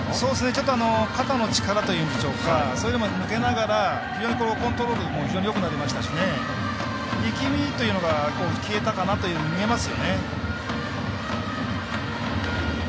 ちょっと肩の力といいますかそういうのも抜けながら非常にコントロールもよくなりましたし力みというのが消えたかなというふうに見えます。